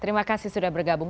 terima kasih sudah bergabung